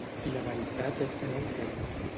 I la veritat és que no ho feia.